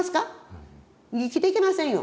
生きていけませんよ。